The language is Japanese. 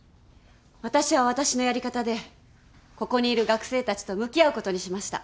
私は私のやり方でここにいる学生たちと向き合うことにしました。